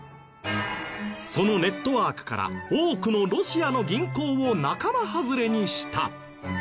そのネットワークから多くのロシアの銀行を仲間外れにした。